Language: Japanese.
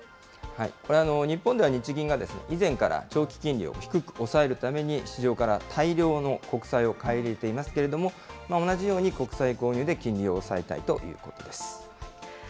日本では日銀が以前から長期金利を低く抑えるために、市場から大量の国債を買い入れていますけれども、同じように国債購入で金利を抑えたいということです。